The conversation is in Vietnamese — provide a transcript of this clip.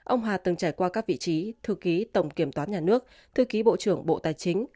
ông hà từng trải qua các vị trí thư ký tổng kiểm toán nhà nước thư ký bộ trưởng bộ tài chính